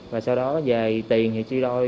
và sau đó về tiền thì trí đôi